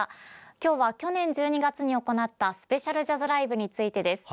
今日は、去年１２月に行ったスペシャルジャズライブについてです。